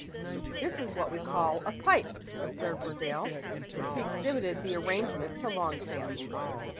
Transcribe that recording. "This is what we call a pipe," observed Burdale, as he exhibited the arrangement to Long Sam.